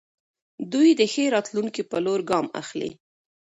دوی د ښې راتلونکې په لور ګام اخلي.